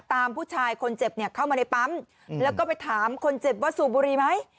ตามผู้ชายคนเจ็บเนี่ยเข้ามาในปั๊มแล้วก็ไปถามคนเจ็บว่าสูบบุรีไหม